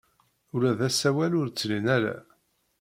Ula d asawal ur t-lin ara.